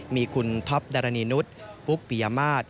มีคุณท็อปดารณีนุษย์ปุ๊กปียมาตร